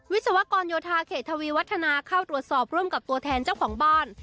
วิศวกรโยธาเขตทวีวัฒนาเข้าตรวจสอบร่วมกับตัวแทนเจ้าของบ้าน